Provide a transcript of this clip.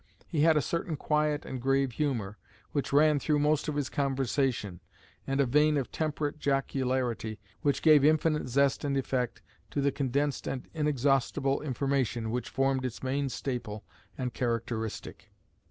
He had a certain quiet and grave humour, which ran through most of his conversation, and a vein of temperate jocularity, which gave infinite zest and effect to the condensed and inexhaustible information which formed its main staple and characteristic.